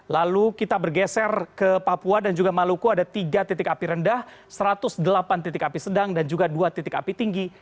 lalu kita bergeser ke papua dan juga maluku ada tiga titik api rendah satu ratus delapan titik api sedang dan juga dua titik api tinggi